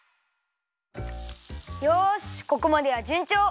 よしここまではじゅんちょう！